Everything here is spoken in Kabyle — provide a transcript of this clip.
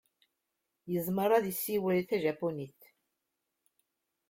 Yezmer ad yessiwel tajapunit.